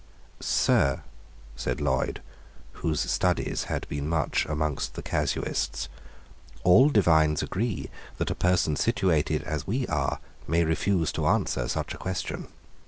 Sir," said Lloyd, whose studies had been much among the casuists, "all divines agree that a person situated as we are may refuse to answer such a question."